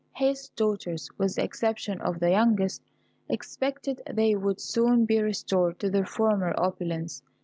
His daughters, with the exception of the youngest, expected they would soon be restored to their former opulence.